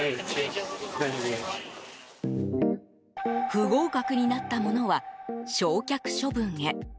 不合格になったものは焼却処分へ。